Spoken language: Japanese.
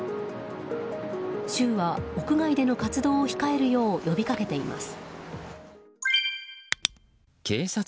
州は屋外での活動を控えるよう呼びかけています。